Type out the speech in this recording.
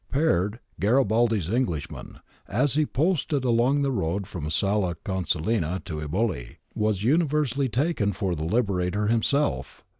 Peard, ' Garibaldi's Englishman,' as he posted along the road from Sala Con silina to Eboli, was universally taken for the Liberator himself.